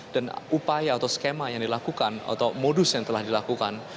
dan upaya atau skema yang dilakukan atau modus yang telah dilakukan